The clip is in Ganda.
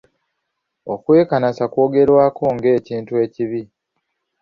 Okwekanasa kwogerwako ng'ekintu ekibi.